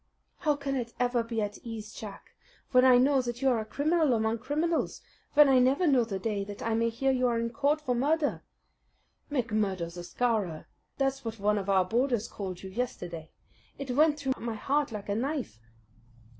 "How can it ever be at ease, Jack, when I know that you are a criminal among criminals, when I never know the day that I may hear you are in court for murder? 'McMurdo the Scowrer,' that's what one of our boarders called you yesterday. It went through my heart like a knife."